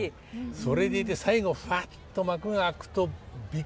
それでいて最後ふわっと幕が開くとびっくりしますよね。